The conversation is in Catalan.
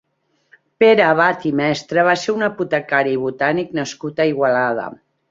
Pere Abat i Mestre va ser un apotecari i botànic nascut a Igualada.